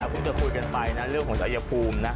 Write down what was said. เพิ่งจะคุยกันไปนะเรื่องของชายภูมินะ